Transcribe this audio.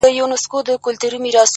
• د هر چا په زړه کي اوسم بېګانه یم,